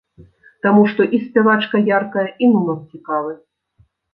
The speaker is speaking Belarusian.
Таму што і спявачка яркая, і нумар цікавы.